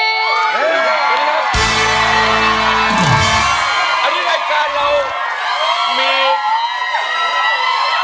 ให้ด้วยรายการเรามี